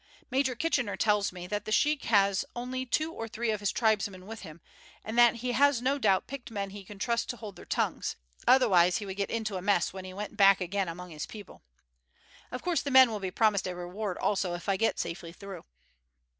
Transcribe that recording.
Major Kitchener tells me that the sheik only has two or three of his tribesmen with him, and that he has no doubt picked men he can trust to hold their tongues, otherwise he would get into a mess when he went back again among his people. Of course the men will be promised a reward also if I get safely through.